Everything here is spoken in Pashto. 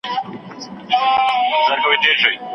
مختورنه ته به څنګه سپینوې خپل حسابونه